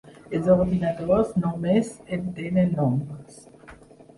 Els ordinadors només entenen nombres.